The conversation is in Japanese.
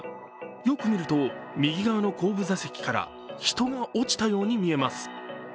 よく見ると、右側の後部座席から人が落ちたように見えます。